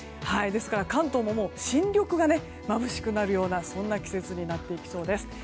ですから、関東も新緑がまぶしくなるようなそんな季節になりそうです。